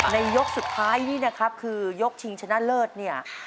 ยกสุดท้ายนี่นะครับคือยกชิงชนะเลิศเนี่ย